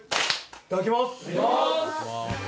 いただきます。